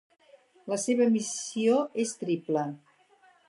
La seva missió és triple.